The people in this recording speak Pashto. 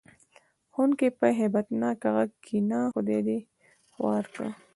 ښوونکي په هیبت ناک غږ: کېنه خدای دې خوار کړه.